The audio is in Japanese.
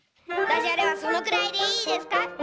ダジャレはそのくらいでいいですか？